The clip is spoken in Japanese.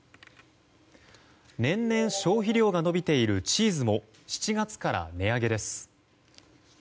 年々消費量が伸びているチーズも７月から値上げです。